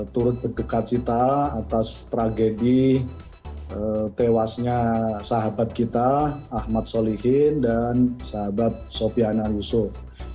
turut berdekat cita atas tragedi tewasnya sahabat kita ahmad solihin dan sahabat sofiana yusuf